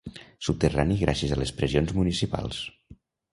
Subterrani gràcies a les pressions municipals.